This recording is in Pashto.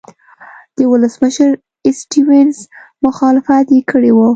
د ولسمشر سټیونز مخالفت یې کړی و.